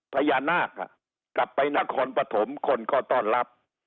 พญานาคกลับไปนครปฐมคนก็ต้อนรับ